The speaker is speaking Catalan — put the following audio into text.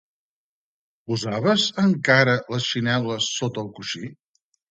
Posaves, encara, les xinel·les sota el coixí?